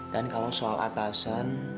dan kalau soal atasan